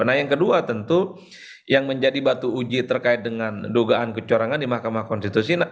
nah yang kedua tentu yang menjadi batu uji terkait dengan dugaan kecurangan di mahkamah konstitusi